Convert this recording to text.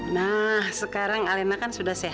nah sekarang alena kan sudah sehat